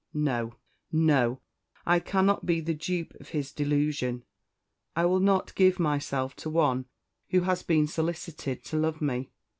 No, no; I cannot be the dupe of his delusion I will not give myself to one who has been solicited to love me!"